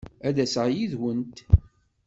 Ad d-aseɣ yid-went.